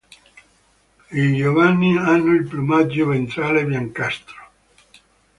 I giovani hanno il piumaggio ventrale biancastro.